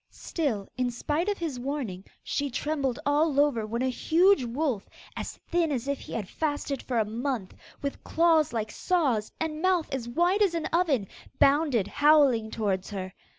Still in spite of his warning she trembled all over when a huge wolf, as thin as if he had fasted for a month, with claws like saws, and mouth as wide as an oven, bounded howling towards her.